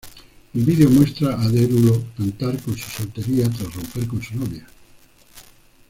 El video muestra a Derulo cantar con su soltería tras romper con su novia.